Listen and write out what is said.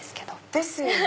ですよね！